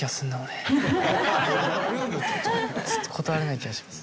ちょっと断れない気がします。